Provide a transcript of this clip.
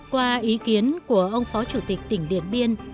qua ý kiến của ông phó chủ tịch tỉnh điện biên